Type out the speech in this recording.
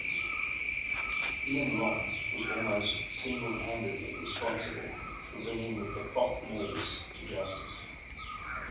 Iain Lom was almost single-handedly responsible for bringing the Keppoch murderers to justice.